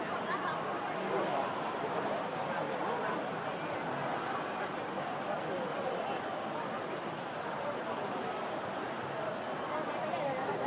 สวัสดีครับ